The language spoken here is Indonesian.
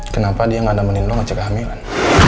kenapa dia gak ada menindol ngecek kehamilan